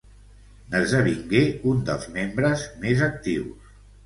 N'esdevingué un dels membres més actius.